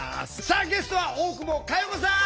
さあゲストは大久保佳代子さん！